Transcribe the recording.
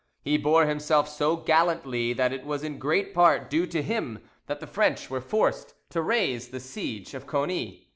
He bore himself so gallantly that it was in great part due to him that the French were forced to raise the siege of Cony.